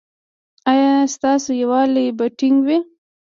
ایا ستاسو یووالي به ټینګ وي؟